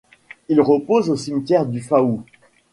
Il repose au cimetière du Faou.